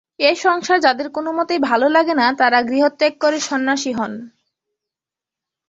এ সংসার যাঁদের কোনমতেই ভাল লাগে না, তাঁরা গৃহত্যাগ করে সন্ন্যাসী হন।